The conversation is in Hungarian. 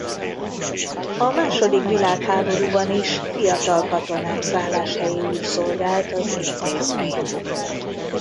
A második világháborúban is fiatal katonák szálláshelyéül szolgált az intézmény.